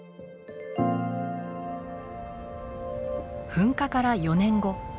噴火から４年後。